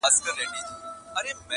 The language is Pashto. تر مابین مو دي په وېش کي عدالت وي-